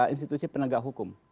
institusi penegak hukum